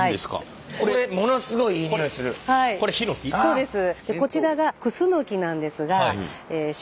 そうです。